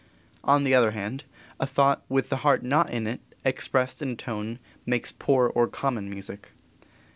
On the other hand, a thought with the heart not in it, expressed in tone, makes poor or common music.